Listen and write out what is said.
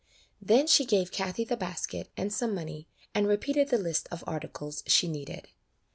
Then she gave Kathie the basket and some money, and repeated the list of articles she needed.